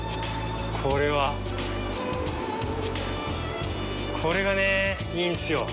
これはこれがねいいんすよ